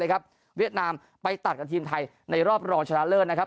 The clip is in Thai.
เวียดนามไปตัดกับทีมไทยในรอบรองชนะเลิศนะครับ